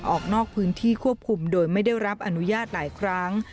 ออกนอกพื้นที่ควบคุมโดยไม่ได้รับอนุญาตหลายครั้ง